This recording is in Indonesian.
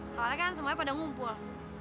soalnya kan semuanya pada ngumpul